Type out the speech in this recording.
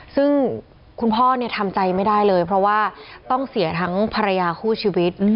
ซึ่งคุณพ่อทำใจไม่ได้เลยเพราะว่าต้องเสียทั้งภรรยาคู่ชีวิต